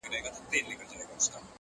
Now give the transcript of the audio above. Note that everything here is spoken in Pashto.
o د شېخانو د ټگانو؛ د محل جنکۍ واوره؛